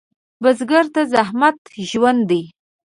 بزګر ته زحمت ژوند دی